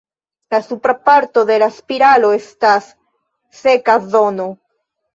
La supra parto de la spiralo estas seka zono.